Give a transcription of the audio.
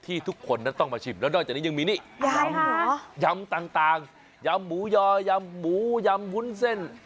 อันนี้ทั้งแต่ยามยหา่ยำหมูหอย่๊าย่ำหมูยำมุ้นเซ่น